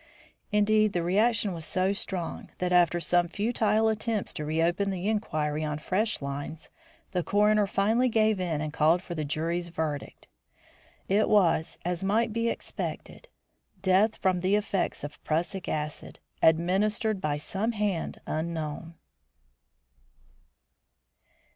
Indeed, the reaction was so strong that after some futile attempts to reopen the inquiry on fresh lines, the coroner finally gave in and called for the jury's verdict. It was, as might be expected: "Death from the effects of prussic acid, administered by some hand unknown."